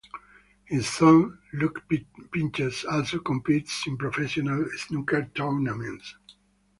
His son, Luke Pinches, also competes in professional snooker tournaments.